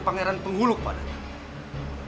pangeran penghuluk padanya